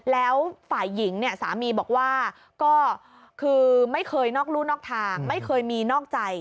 แล้วฝ่ายหญิงเนี่ยสามีบอกว่าก็คือไม่เคยนอกรู่นอกทางไม่เคยมีนอกใจ